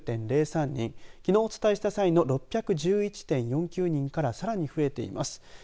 きのうお伝えした際の６１１．４９人からさらに増えています。